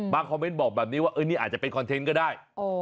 คอมเมนต์บอกแบบนี้ว่านี่อาจจะเป็นคอนเทนต์ก็ได้